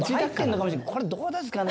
これどうですかね？